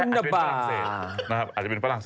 ไม่ได้พนักงานไทยรัฐห้าม